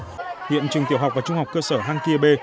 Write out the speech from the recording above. hiện trường tiểu học và trung học cơ sở hàng kia b